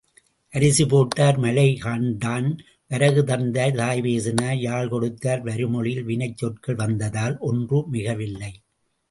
அரிசி போட்டார், மலைகண்டான், வரகு தந்தார், தாய் பேசினாள், யாழ் கொடுத்தார் வருமொழியில் வினைச்சொற்கள் வந்ததால் ஒற்று மிகவில்லை.